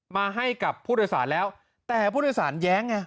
มาให้กับผู้โดยสารแล้วแต่ผู้โดยสารแย้งไง